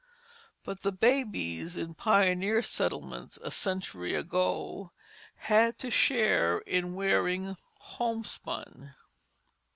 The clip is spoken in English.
But the babies in pioneer settlements a century ago had to share in wearing homespun.